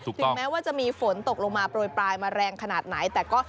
ถึงแม้ว่าจะมีฝนตกลงมาโปรยปลายมาแรงขนาดไหนแต่ก็